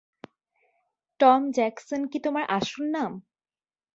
Tom Jackson কি তোমার আসল নাম?